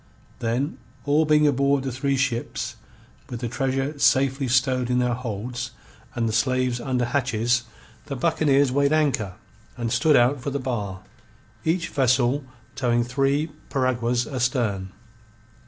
Then, all being aboard the three ships, with the treasure safely stowed in their holds and the slaves under hatches, the buccaneers weighed anchor and stood out for the bar, each vessel towing three piraguas astern.